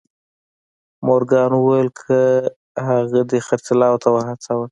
مورګان وويل که هغه دې خرڅلاو ته وهڅاوه.